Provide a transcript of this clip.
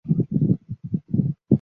近松门左卫门的作品。